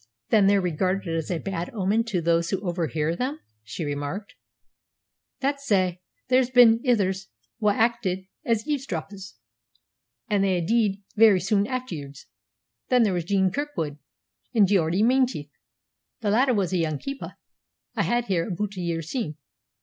"Then they're regarded as a bad omen to those who overhear them?" she remarked. "That's sae. There's bin ithers wha acted as eavesdroppers, an' they a' deed very sune aifterwards. There was Jean Kirkwood an' Geordie Menteith. The latter was a young keeper I had here aboot a year syne.